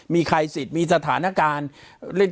มีคลายสิทธิ์มีสถานการณ์